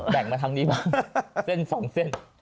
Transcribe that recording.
แบ่งมาทั้งนี้บ้างเส้นสองเส้น